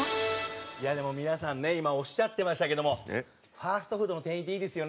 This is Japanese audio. いやでも皆さんね今おっしゃってましたけどもファストフードの店員っていいですよね。